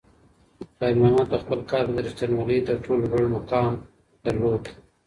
خیر محمد په خپل کار کې د رښتونولۍ تر ټولو لوړ مقام درلود.